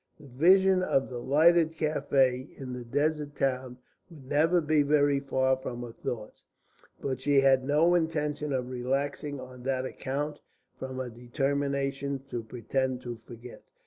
The vision of the lighted café in the desert town would never be very far from her thoughts, but she had no intention of relaxing on that account from her determination to pretend to forget.